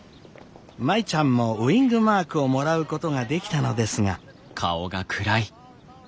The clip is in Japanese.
舞ちゃんもウイングマークをもらうことができたのですが。